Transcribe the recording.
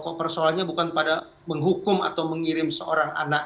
pokok persoalannya bukan pada menghukum atau mengirim seorang anak ke dalam kota